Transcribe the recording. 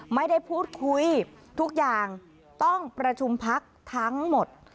ไม่ได้พูดคุยทุกอย่างต้องประชุมพักทั้งหมด